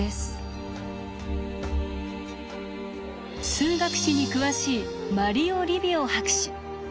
数学史に詳しいマリオ・リヴィオ博士。